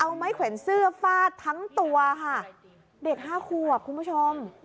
เอาไม้แขวนเสื้อฟาดทั้งตัวค่ะเด็กห้าขวบคุณผู้ชม